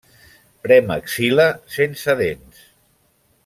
Premaxil·la sense dents.